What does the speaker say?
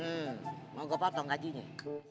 hmm mau gue potong gajinya